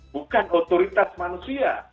bukan otoritas manusia